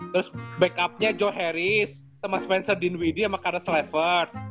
terus backupnya joe harris sama spencer dinwiddie sama carlos lefart